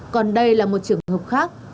còn đây là một trường hợp khác